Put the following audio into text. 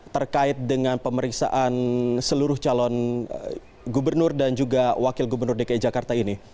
terkait dengan pemeriksaan seluruh calon gubernur dan juga wakil gubernur dki jakarta ini